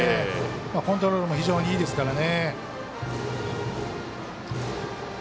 コントロールも非常にいいですからね。